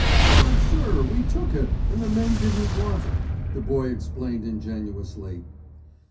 "But, sir, we took it, and the men didn't want it," the Boy explained ingenuously.